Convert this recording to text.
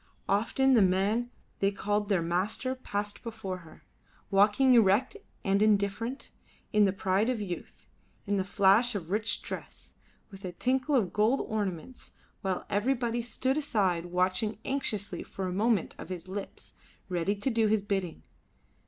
Often the man they called their master passed before her, walking erect and indifferent, in the pride of youth, in the flash of rich dress, with a tinkle of gold ornaments, while everybody stood aside watching anxiously for a movement of his lips, ready to do his bidding.